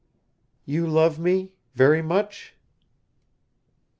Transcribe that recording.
"You love me very much?"